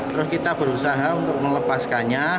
terus kita berusaha untuk melepaskannya